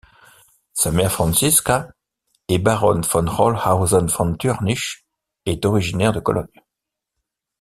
Sa mère Franziska est baronne von Rolshausen von Türnich est originaire de Cologne.